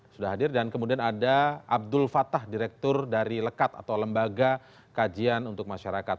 sudah hadir dan kemudian ada abdul fatah direktur dari lekat atau lembaga kajian untuk masyarakat